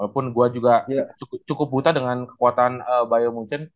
walaupun gue juga cukup buta dengan kekuatan bayo muncen